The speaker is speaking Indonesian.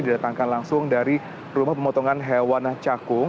didatangkan langsung dari rumah pemotongan hewan cakung